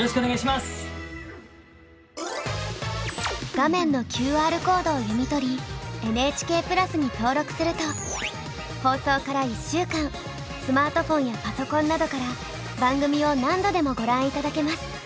画面のＱＲコードを読み取りＮＨＫプラスに登録すると放送から１週間スマートフォンやパソコンなどから番組を何度でもご覧頂けます。